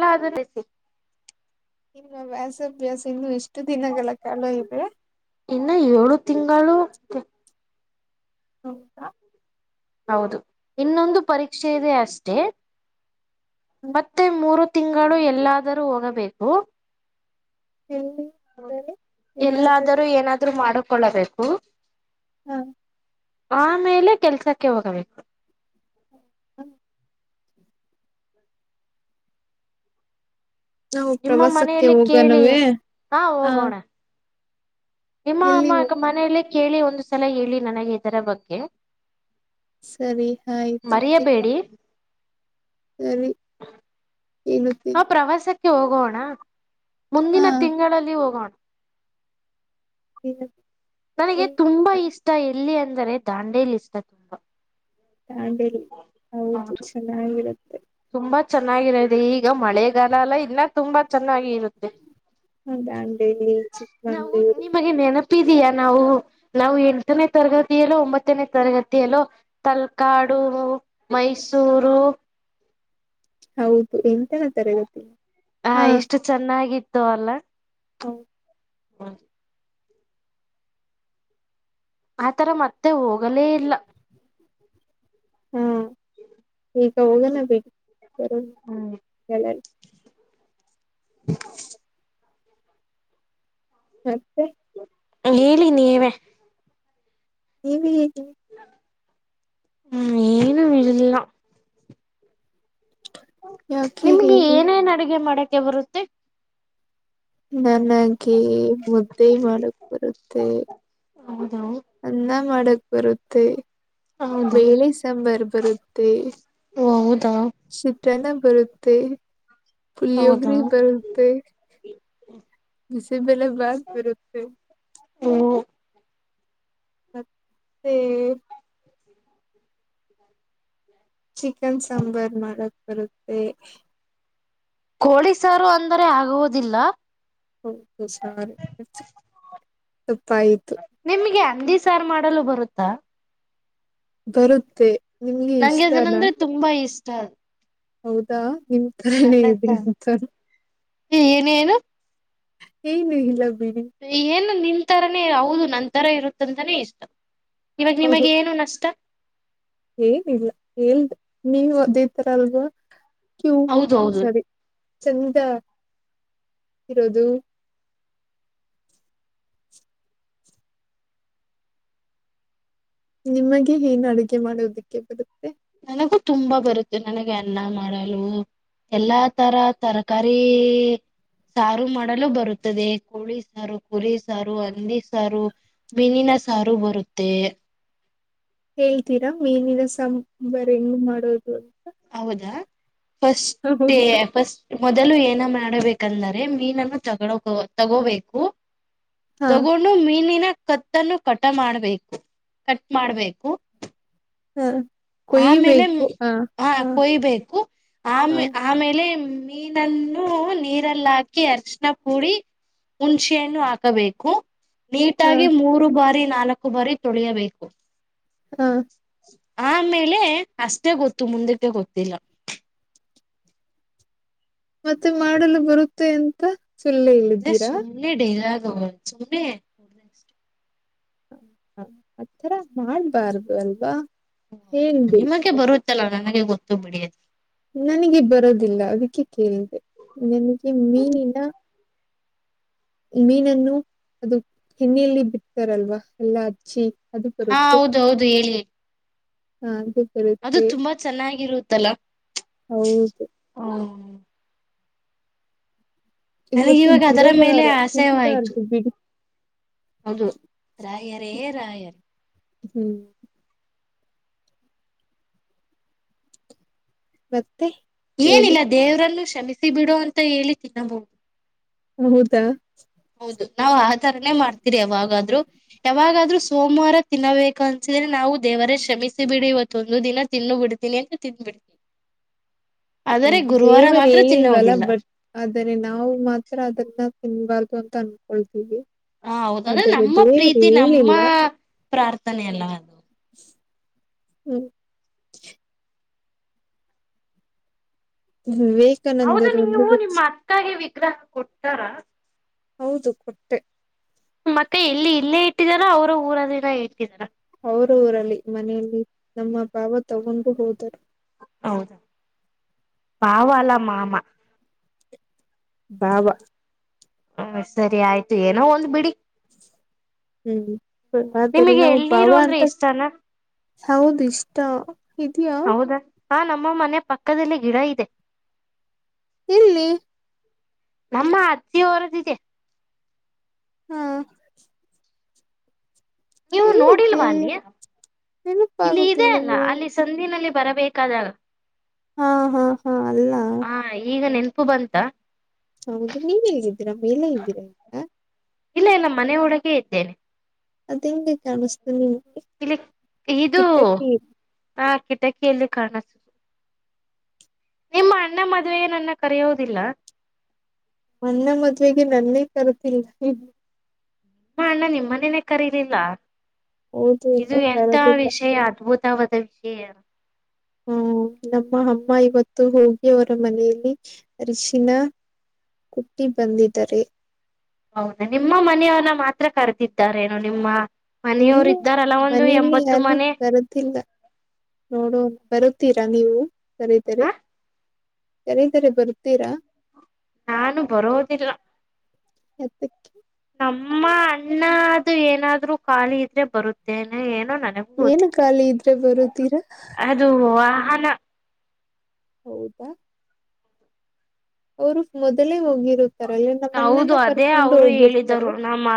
ಲರಿಸ ಇನ್ನು ವ್ಯಾಸಭ್ಯಾಸ ಇನ್ನು ಎಷ್ಟು ದಿನಗಳ ಕಾಲ ಇದೆ ಇನ್ನ ಏಳು ತಿಂಗಳು ಹ ಹೌದು ಇನ್ನೊಂದು ಪರೀಕ್ಷೆ ಇದೆ ಅಷ್ಟೇ ಮತ್ತೆ ಮೂರು ತಿಂಗಳು ಎಲ್ಲಾದರೂ ಹೋಗಬೇಕು ಎಲ್ಲಿ ಅಂದರೆ ಎಲ್ಲಾದರೂ ಏನಾದ್ರು ಮಾಡಕೊಳ್ಳಬೇಕು ಹ ಆಮೇಲೆ ಕೆಲ್ಸಕ್ಕೆ ಹೋಗಬೇಕು ಹ ನಾವು ನಿಮ್ಮ ಪ್ರವಾಸಕ್ಕೆ ಮನೆಯಲ್ಲಿ ಹೋಗ ಕೇಳಿ ನವೆ ಹ ನಿಮ್ಮಾ ಅಮ್ಮ ಅ ಮನೆಯಲ್ಲೇ ಕೇಳಿ ಒಂದ್ ಸಲ ಹೇಳಿ ನನಗೆ ಇದರ ಬಗ್ಗೆ ಸರಿ ಆಯ್ತು ಹಂಗೆ ಆಗ್ಲಿ ಮರೆಯಬೇಡಿ ಸರಿ ಏನುತ್ತೇನೆ ೆ ಹೋಗೋಣ ಮುಂದಿನ ತಿಂಗಳಲ್ಲಿ ಹೋಗೋಣ ಹೇಳ್ ನನಗೆ ತುಂಬಾ ಇಷ್ಟ ಎಲ್ಲಿ ಅಂದರೆ ದಾಂಡೇಲಿ ಇಷ್ಟ ತುಂಬಾ ಾಂಡಲಿ ಹೌದು ಚೆನ್ನಾಗಿರುತ್ತೆ ಚೆನ್ನಾಗಿರುದೆ ಈಗ ಮಳೆಗಾಲ ಅಲ್ಲ ಇನ್ನ ತುಂಬಾ ಚೆನ್ನಾಗಿ ಇರುತ್ತೆ ಹೌದಾ ೆಲ್ಲಿ ಚಿಕ್ಕ್ಕಮಂಗ್ಗಳೂರು ತಪ್ಪಿದಯಾ ನಾವು ನಾವು ಎಂಟನೇ ತರಗತಿಯಲ್ಲೋ ಒಂಬತ್ತನೇ ತರಗತಿಯಲ್ಲೋ ತಲ್ಕಾಡ್ ಕೊೂ ಮೈಸೂರು ಹೌದು ಎಂತಾ ತರಗತಿ ಹ ಹಾ ಎಷ್ಟು ಚೆನ್ನಾಗಿತ್ತು ಅಲ್ಲ ಹೌ ಹೂ ಆತರ ಮತ್ತೆ ಹೋಗಲೇ ಇಲ್ಲ ಹಾ ಈಗ ಹೋಗಲ್ಲ ಬಿ ಬ ಹ್ಮ್ ಹೇಳ [inaudible] ಮತ್ತೆ ಹೇಳಿ ನೀವೇ ನೀವಿ ಹೂ ಏನು ಇಲ್ಲ ಯಾಕೆ ನಿಮ್ಗೆ ಏನು ಏನೇನ್ ಅಡುಗೆ ಮಾಡಕ್ಕೆ ಬರುತ್ತೆ ನನಗೆ ಮುದ್ದೆ ಮಾಡಕ್ ಬರುತ್ತೆ ಹೌದಾ ಅನ್ನ ಮಾಡಕ್ ಬರುತ್ತೆ ಹೌದಾ ವೇಳೆ ಸಾಂಬರ್ ಬರುತ್ತೆ ಹೌದಾ ಚಿತ್ರಣ ಬರುತ್ತೆ ಹೌದಾ ಪುಳಿಯೋಗರೆ ಬರುತ್ತೆ ಬಿಸಿ ಬೆಲೆ ಬಾತು ಬರುತ್ತೆ ಹ್ಮ [unintelligible] ಮತ್ತೆ ಚಿಕನ್ ಸಾಂಬಾರ್ ಮಾಡಕ್ ಬರುತ್ತೆ ಕೋಳೀಸಾರು ಅಂದರೆ ಆಗುವುದಿಲ್ಲ ಹೌದು ಸಾರಿ ತಪ್ಪಾಯಯ್ತು ಹಂದಿ ಸಾರು ಮಾಡಲು ಬರುತ್ತಾ ಬರುತ್ತೆ ನಿಮ್ಗೆ ನಂಗೆ ಇಷ್ಟನಾ ಅದನಂದ್ರೆ ತುಂಬಾ ಇಷ್ಟ ಹೌದಾ ನಿಮ ರನೇ ಇದೆ ಅಂತರ ಹ ಏನ ಏನು ಹನ ಲ [unintelligible] ಏನು ನಿಂತರನೇ ಹೌದು ನಂತರ ಇರುತ್ತಂತಾನೇ ಇಷ್ಟ ಇವಾಗ ಹೌದು ನಿಮಗ್ ಏನು ನಷ್ಟ ಏನಿಲ್ಲ ಎಲ್್ದ ನೀವು ಅದೇ ತರ ಅಲ್ವಾ ಕ್ಯೂ ಹೌದು ಹೌದು ಸರಿ ಚಂದ ಇರೋದು [unintelligible] ನಿಮಗೆ ಏನ್ ಅಡುಗೆ ಮಾಡೋದಿಕ್ಕೆ ಬರುತ್ತೆ ನನಗೂ ತುಂಬಾ ಬರುತ್ತೆ ನನಗೆ ಅನ್ನ ಮಾಡಲು ಎಲ್ಲಾ ತರ ತರಕಾರಿ ಸಾರು ಮಾಡಲು ಬರುತ್ತದೆ ಕೋಳಿ ಸಾರು ಕುರಿ ಸಾರು ಹಂದಿ ಸಾರು ಮಿನಿನ ಸಾರು ಬರುತ್ತೆ ಹೇಳ್ತೀರಾ ಮೀನಿನ ಸಾಂಬಾರಂಗ ಮಾಡೋದು ಹೌದಾ ಫಸ್ಟ್ ಹೌದು ಫಸ್ಟ್ ಮೊದಲು ಏನ ಮಾಡಬೇಕಂದರೆ ಮೀನನ್ನು ತಗಳೋಕ ತಗೋಬೇಕು ಹಾ ತಗೊಂಡು ಮೀನಿನ ಕತ್ತನ್ನು ಕಟ ಮಾಡ್ಬೇಕು ಕಟ್ ಮಾಡ್ಬೇಕು ಹ್ಮ್ ಆಮೇಲೆ ಹಾ ಕೊಯ್ಬೇಕು ಆಮ ಹಾ ಆಮೇಲೆ ಮೀನನ್ನು ನೀರಲ್ಲ ಹಾಕಿ ಅರ್ಶಣ ಪುಡಿ ಹುಣಸೆ ಹಣ್ಣು ಹಾಕಬೇಕು ಹಾ ನೀಟಾಗಿ ಮೂರು ಬಾರಿ ನಾಲ್ಕು ಬಾರಿ ತೊಳಿಯಬೇಕು ಹಾ ಆಮೇಲೆ ಅಷ್ಟೇ ಗೊತ್ತು ಮುಂದಕ್ಕೆ ಗೊತ್ತಿಲ್ಲ ಮತ್ತೆ ಮಾಡಲು ಬರುತ್ತೆ ಎಂತ ಸುನೆ ಡೈಲಾಗ್ ಸುನೆ [inaudible] ಹ ಆಥರ ಮಾಡಬಾರ್ದು ಅಲ್ವಾ ಹ ಹೌದಾ ಹೇಳ್ಬೇಕು ನಿಮಗೆ ಬರುತ್ತಲ್ಲ ನನಗೆ ಗೊತ್ತು ಬಿಡಿಯದು ನನಗೆ ಬರೋದಿಲ್ಲ ಅದಕ್ಕೆ ಕೇಳಿದೆ ನನಗೆ ಮೀನಿನ ಮೀನನ್ನು ಅದು ಎಣ್ಣೆಯಲ್ಲಿ ಬಿಡ್ತಾರಲ್ವಾ ಎಲ್ಲಾ ಹಚ್ಚಿ ಅದು ಹಾ ಹೌದು ಹೌದು ಹೇಳಿ ಹಾ ಅದು ತುಂಬಾ ಚೆನ್ನಾಗಿರುತ್ತಲ್ಲ ಹೌದು ಹ್ಮ [unintelligible] ನನಗ ಇವತ್ತು ಇವಾಗ ಅದರ ಮೇಲೆ ಗುರುವಾರ ಆಸಯವಾಯ್ತು ತಿಬಾರ್ದು ಬಿಡಿ ಹೌದು ರಾಯರೇ ರಾಯರಿ ಹ್ಮ್ ಬ ಏನಿಲ್ಲ ದೇವ್ರನ್ನು ಶ್ಷಮಿಸಿ ಬಿಡುೋ ಅಂತ ಹೇಳಿ ತಿನ್ನಬಹುದು ಹೌದಾ ಹೌದು ನಾವ್ ಆ ತರನೇ ಮಾಡ್ತೀರಿ ಅವಾಗ ಯಾವಾಗಾದ್ರೂ ಸೋಮವಾರ ತಿನ್ನಬೇಕ ಅನ್ಸಿದ್ರೆ ನಾವು ದೇವರೇ ಶ್ರಮಿಸಿ ಬಿಡಿ ಇವತ್ತ ಒಂದು ದಿನ ತಿನ್ನು ಬಿಡ್ತೀನಿ ಅಂತ ತಿನ್ಬಿಡ್ತೀನಿ ಹ್ಮ್ ದೇವರು ಹೇಳಿಲ್ವಲ್ಲ ಬಟ್ ಆದರೆ ನಾವು ಮಾತ್ರ ಅದನ್ನ ತಿನ್ಬಾರ್ದು ಅಂತ ಅನ್ಕೊಳ್ತೀವಿ ಹ ಹೌದ ಅಂದ್ರೆ ಆದರೆ ನಮ್ಮ ದೇವರು ಪ್ರೀತಿ ನಮ್ಮ ಹೇಳಿಲ್ಲ ಪ್ರಾರ್ಥನೆ ಎಲ್ಲ ಅದು [unintelligible] ಹ್ಮ್ ವಿವೇಕಾನಂದರು ವಿ ಆಗ್ರಹ ಕೊಟ್ಟಾರ ಹೌದು ಕೊಟ್ಟೆ ಮತ್ತೆ ಎಲ್ಲಿ ಇಲ್ಲೇ ಇಟ್ಟಿದಾರ ಅವರ ಊರಲ್ಲಿಿಂದ ಇಟ್ಟಾರ ಅವರೂರಲಿ ಮನೆಯಲ್ಲಿ ನಮ್ಮ ಭಾವ ತಗೊಂಡು ಹೋದರು ಹೌದಾ ಪಾವಲ್ಲ ಮಾಮ ಬಬ ಹ ಸರಿ ಆಯ್ತು ಏನೋ ಒಂದ್ ಬಿಡಿ ಹ್ಮ್ ಆದದಲ್ಲಿ ನಿಮಗೆ ನಾವು ಬಾವ ಎಳ್ನೀರು ಅಂದ್ರೆ ಅಂತ ಇಷ್ಟಾನ ಹೌದು ಇಷ್ಟ ಇದಯಾ ಹಾ ನಮ್ಮ ಮನೆ ಪಕ್ಕದಲ್ಲಿ ಗಿಡ ಇದೆ ಎಲ್ಲಿ ನಮ್ಮ ಅಜಿ ಹೊರದಿದೆ ಹ್ಮ ನೀವು ನೋಡಿಲ್ವಾ ಅಲ್ಲಿ ಇಲ್ಲಿ ಇದೆ ಅಲ್ಲ ನೆನಪಾಗುತ್ತಿಲ್ಲವೇ ಅಲ್ಲಿ ಸಂದಿನಲ್ಲಿ ಬರಬೇಕಾದಾಗ ಹಾ ಹಾ ಹಾ ಅಲ್ಲ ಹ ಈಗ ನೆನಪು ಬಂತ ಹೌದು ನೀನ್ ಹೇಗಿದ್ದೀರಾ ಮೇಲೆ ಇದ್ದೀರಾ ಇಲ್ಲ ಇಲ್ಲ ಮನೆ ಒಳಗೇ ಇದ್ದೇನೆ ಅದಂಗ ಕಮಸ್ತನ ಇಲ್ಲಿ ಕಿಟ್ಟಕ್ಕ ಹಾಕಟ ಕೆಲಿ ಕಾಣಸ ನಿಮ್ಮ ಅಣ್ಣ ಮದುವೆನನ್ನ ಕರೆಯೋದಿಲ್ಲ ನನ್ನ ಮದ್ುವೆಗೆ ನನ್ನೇ ಕರ್ತಿಲ್ಲ ಹ ಅಣ್ಣ ನಿಮ್ ಮನೇನೆೇ ಕರೀಲಿಲ್ಲ ಹೌದು ಇದು ಇನ್ನೂ ಎಂತ ಕರೆದಿಲ್ಲ ವಿಷಯ ಅದ್ಭುತವಾದ ವಿಷಯ ಹ್ಮ ನಮ್ಮ ಅಮ್ಮ ಇವತ್ತು ಹೋಗಿ ಅವರ ಮನೆಯಲ್ಲಿ ಅರಿಶಿನ ಕುಟ್ಟಿ ಬಂದಿದರೆ ಹೌದಾ ನಿಮ್ಮ ಮನೆಯವನ್ನ ಮಾತ್ರ ಕರೆತಿದ್ದಾರೇನು ನಿಮ್ಮ ಮನೆಯವರು ಇನ್ನು ಇದ್ದಾರಲ್ಲ ಒಂದು ಮನೆಯಲ್ಲಿ ಎಂಬತ್ತು ಯಾರು ಮನೆ ಬರುದಿಲ್ಲ ನೋಡೋ ಬರು ತ್ತೀರಾ ನೀವು ಕರೀತರೆ ಹ ಯರತರೆ ಬರ್ತೀರಾ ನಾನು ಬರೋದಿಲ್ಲ ಎತ್ತಕ್ಕೆ ಅಮ್ಮ ಅಣ್ಣ ಅದು ಏನಾದ್ರೂ ಖಾಲಿ ಇದ್ರೆ ಬರುತ್ತೇನೆ ಏ ನಮ್ಗೆ ಏನು ಗೊತ್ತಿಲ್ಲ ಖಾಲಿ ಇದ್ರೆ ಬರುತ್ತೀರಾ ಅದು ಆಹನ ಹೌದಾ ಅವರು ಮೊದಲೇ ಹೋಗಿರುತ್ತಾರಲ್ಲ ನಮ್ಮ ಹೌದು ಅಣ್ಣನ ಅದೇ ಕರ್ಕೊಂಡು ಅವರು ಹೋಗಿರ್ತಾರೆ ಹೇಳಿದರು ನಮ್ಮ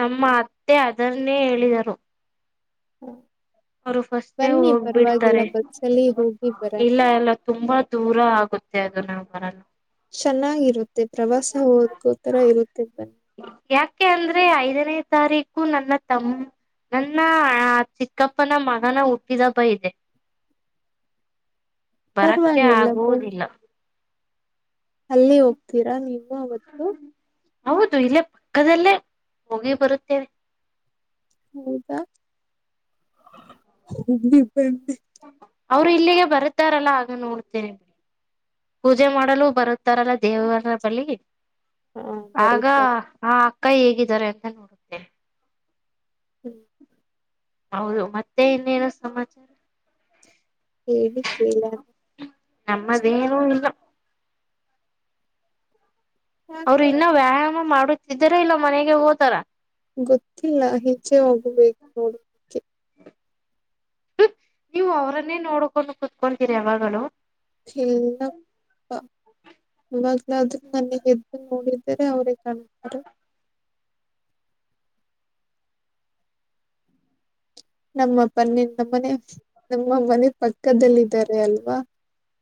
ನಮ್ಮ ಮತ್ತೆ ಅದನ್ನೇ ಹೇಳಿದರು ಹ್ಮ ಅವರು ಫಸ್ಟೇ ಹೋಗ್ಬಿಡ್ತಾರೆ ಬಸ್ಸಲ್ಲಿ ಹೋಗಿ ಬರೋಣ ಇಲ್ಲ ಎಲ್ಲ ತುಂಬಾ ದೂರ ಆಗುತ್ತೆ ಅದು ನಾಗೆ ಚೆನ್ನಾಗಿರುತ್ತೆ ಪ್ರವಾಸ ಹೋದ್ಕೋ ತರ ಇರುತ್ತೆ ಬನ್ನಿ ಯಾಕೆ ಅಂದ್ರೆ ಐದನೇ ತಾರೀಕು ನನ್ನ ತಮ್ಮ ನನ್ನ ಚಿಕ್ಕಪ್ಪನ ಮಗನ ಹುಟ್ಟಿದಬ್ಬ ಇದೆ ಬರಕ್ಕೆ ಪರವಾಗಿಲ್ಲ ಬನ್ನಿ ಆಗುವುದಿಲ್ಲ ಅಲ್ಲಿ ಹೋಗ್ತೀರಾ ನೀವು ಅವತ್ತು ಹೌದು ಇಲ್ಲೇ ಪಕ್ಕದಲ್ಲೇ ಹೋಗಿ ಬರುತ್ತೇವೆ ಹೌದಾ ಅವ್ರು ಇಲ್ಲಿಗೆ ಬರ್ತಾರಲ್ಲ ಆಗ ನೋಡ್ತೇನೆ ಬಿ ಪೂಜೆ ಮಾಡಲು ಬರುತ್ತಾರಲ್ಲ ದೇವರ ಬಳಿ ಹಾ ಆಗ ಬರುತ್ತಾರೆ ಆ ಅಕ್ಕ ಹೇಗಿದ್ದಾರೆ ಅಂತ ನೋಡುತ್ತೆ ಹ್ಮ್ ಹೌದು ಮತ್ತೆ ಇನ್ನೇನ ಸಮಾಚಾರ ಹೇಳಿ ಕೇಳಣ ನಮ್ಮದೇನೂ ಇಲ್ಲ ಅವ್ರು ಯಾಕೆ ಇನ್ನ ವ್ಯಾಯಾಮ ಮಾಡುತ್ತಿದಾರ ಇಲ್ಲ ಮನೆಗೆ ಹೋತಾರ ಗೊತ್ತಿಲ್ಲ ಹೆಜ್ಜೆ ಹೋಗಬೇಕು ನೋಡದಕ್ಕೆ ನೀವು ಅವ್ರನ್ನೇ ನೋಡ್ಕೊಂಡು ಕುೂತ್ಕೊತೀರಿ ಯಾವಾಗಲ ಚಲ್ಲಪ್ಪ ಇವಾಗ್ಲಾದ್ರೂ ನನ್ನ ಎಗೆದ್ದು ನೋಡಿದರೆ ಅವರೇ ಕಾಣುತ್ತಾರೆ [inaudible] ನಮ್ಮಪ್ಪ ನಮ್ಮನೆ ನಮ್ಮ ಮನೆ ಪಕ್ಕದಲ್ಲ ಇದಿದ್ದಾರೆ ಅಲ್ವಾ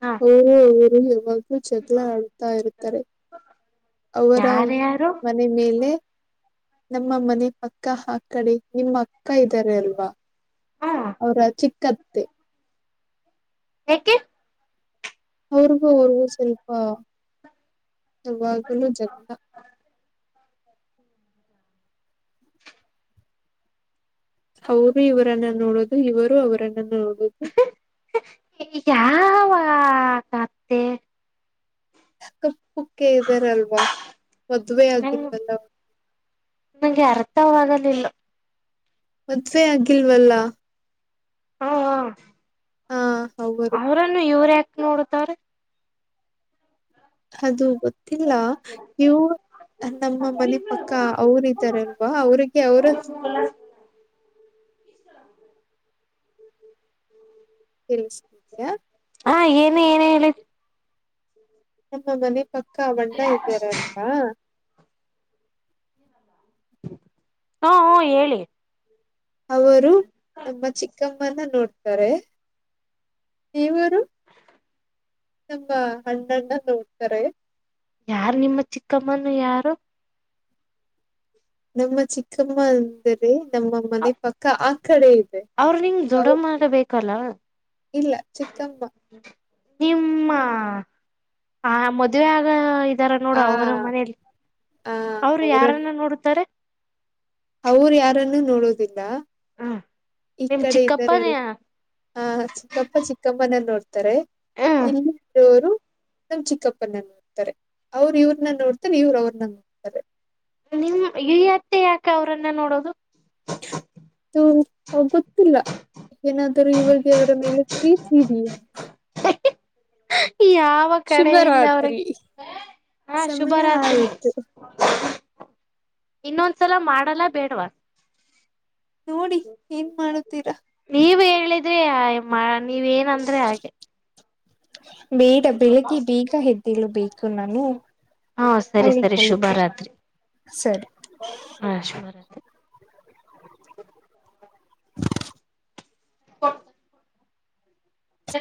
ಹಾ ಯಾಗ ಚಗಳ ಆಡುತ್ತಾ ಇರುತ್ತಾರೆ ಅವರ ಯಾರ್ಯಾರು ಮನೆ ಮೇಲೆ ನಮ್ಮ ಮನೆ ಪಕ್ಕ ಆ ಕಡೆ ನಿಮ್ಮ ಅಕ್ಕ ಇದ್ದಾರೆ ಅಲ್ವಾ ಹಾ ಅವರ ಚಿಕ್ಕತ್ತೆ ಯಾಕೆ ಅವ್ರಿಗೂ ಅವರ್ಗೂ ಸ್ವಲ್ಪ ಯಾವಾಗಲೂ ಜಗ ಹ್ಮ ಅವರು ಇವರನ್ನ ನೋಡದು ಇವರು ಅವರನ್ನ ನೋಡದು ಆ ಕೆ ಹ ಕುುಕ್ಕ ಇದ್ದಾರಲ್ವಾ ಮದ್ುವೆ ನಂಗ ಆಗಿಲ್ವಲ್ಲ ಇವಾಗಲಿಲ್ಲ ಮದ್ವೆೆ ಅಗಲ್ ವಲ್ಲಾ ಹ ಅವರು ಅವ್ರನ್ನು ಇವ್ರ ಯಾಕ ನೋಡತವ್ರ ಅದು ಗೊತ್ತಿಲ್ಲ ಇವು ನಮ್ಮ ಮನೆ ಪಕ್ಕ ಅವರ ಇದ್ದಾರಲ್ವಾ ಅವ್ರಿಗೆ ಅವರ ಇಸ್ಲಾಮಬಾದ ತಿಳಿಸಯ ಹಾ ಏನು ಏನ ಹೇಳಿದ ನಮ್ಮ ಮನೆ ಪಕ್ಕ ಬಣ್ಣ ಇದ್ದಾರಲ್ವಾ ಹಾ ಹ್ಮ ಹೇಳಿ ಅವರು ನಮ್ಮ ಚಿಕ್ಕಮ್ಮನ ನೋಡ್ತಾರೆ ಇವರು ನಮ್ಮ ಹಣ್ಣಣ್ಣ ನೋಡ್ತಾರೆ ಯಾರ್ ನಿಮ್ಮ ಚಿಕ್ಕಮ್ಮನ ಯಾರು ನಮ್ಮ ಚಿಕ್ಕಮ್ಮ ಅಂದರೆ ನಮ್ಮ ಮನೆ ಪಕ್ಕ ಆ ಕಡೆ ಇದೆ ಅವ್ರ ನಿಂಗ ಅವ ದದುಡ್ ಆಗಬೇಕಲ್ಲ ಇಲ್ಲ ಚಿಕ್ಕಮ್ಮ ನಿಮ್ಮ ಆ ಮದ್ುವೆ ಆಗ ಇದಾರ ನೋಡ ಆ ಅವರ ಮನಲಿ ಆ ಅವ್ರು ಯಾರನ್ನ ನೋಡುತ್ತಾರೆ ಅವರು ಯಾರನ್ನುೂ ನೋಡೋುದಿಲ್ಲ ಹ್ಮ ಈ ನಿಮ್ ಕಡೆ ಚಿಕ್ಕಪ್ಪನ ಇದ್ದಾರೆಲ್ಲ ಹ ಚಿಕ್ಕಪ್ಪ ಚಿಕ್ಕಮ್ಮನ ನೋಡ್ತಿ ಹ್ಮ ಇಲ್ಲಿ ಕೆರು ನಮ್ಮ ಚಿಕ್ಕಪ್ಪನ ನೋಡ್ತಾರೆ ಅವ್ರ ಇವ್ರನ್ನ ನೋಡ್ತಾರೆ ಇವ್ರ ಅವ್ರನ್ನ ನೋಡ್ತಾರೆ ನಿಮ್ ಯ ಅತ್ತೆ ಯಾಕ ಅವ್ರನ್ನ ನೋಡೋದು ಹ ಗೊತ್ತಿಲ್ಲ ಏನಾದರೂ ಇವರ್ಗೆ ಅವರ ಮೇಲೆ ಪ್ರೀತ ಯಾವ ಕಡೆಯಿಂದ ಅವ್ರಗ್ ಶುಭರಾತ್ರಿ ಹಾ ಸಮಯ ಶುಭರಾತ್ರಿ ಆಯಿತು ಇನ್ನೊಂದ್ಸಲ ಮಾಡಲ್ಲ ಬೇಡ್ವಾ ನೋಡಿ ಏನ್ ಮಾಡತೀರಾ ಹೇಳಿದ್ರೆ ನೀವ ಏನಂದ್ರೆ ಹಾಗೆ ಬೇಡ ಬೆಳಿಗ್ಗೆ ಬೀಗ ಹೆದ್ದಳು ಬೇಕು ನಾನು ಹಾ ಸರಿ ಸರಿ ಶುಭ ಮಲ್ಕೊಳ್ಳುತ್ತೇನೆ ರಾತ್ರಿ ಸರಿ ಹಾ ಶುಭರಾತ್ರಿ ಹ ಎ